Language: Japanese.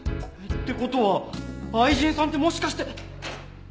って事は愛人さんってもしかして。